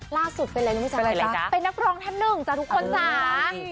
ล่าสุดเป็นอะไรรู้ไหมจ๊ะคะเป็นนักร้องแท่นึ่งจ้ะทุกคนสาม